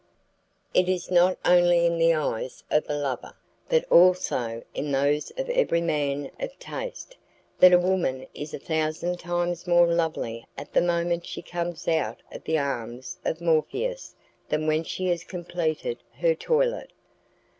It is not only in the eyes of a lover, but also in those of every man of taste, that a woman is a thousand times more lovely at the moment she comes out of the arms of Morpheus than when she has completed her toilet.